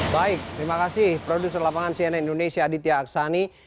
baik terima kasih produser lapangan cnn indonesia aditya aksani